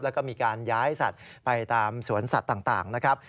แล้วก็มีการย้ายสัตว์ไปตามสวนสัตว์ต่างนะครับ